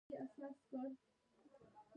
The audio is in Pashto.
متحده ایالتونه او کاناډا په نوملړ کې په سر کې دي.